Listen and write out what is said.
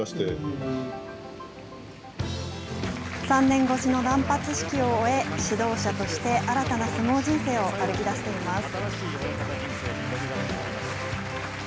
３年越しの断髪式を終え、指導者として新たな相撲人生を歩きだしています。